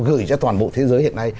gửi ra toàn bộ thế giới hiện nay